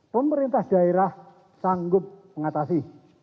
pemerintah daerah sanggup mengatasi